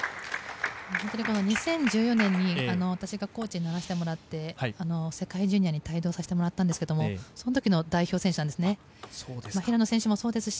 ２０１４年に私がコーチにならせてもらって世界ジュニアに帯同させてもらったんですけどその時の代表選手ですね。